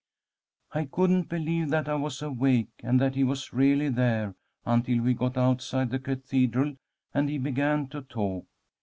"'I couldn't believe that I was awake and that he was really there, until we got outside the cathedral and he began to talk.